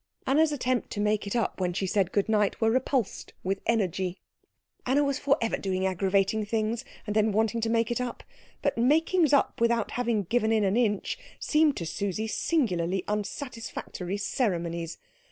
Anna's attempt to make it up when she said good night was repulsed with energy. Anna was for ever doing aggravating things, and then wanting to make it up; but makings up without having given in an inch seemed to Susie singularly unsatisfactory ceremonies.